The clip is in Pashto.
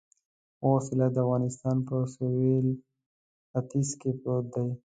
خوست ولایت د افغانستان په سویل ختيځ کې پروت دی.